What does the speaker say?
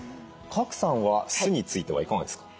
賀来さんは酢についてはいかがですか？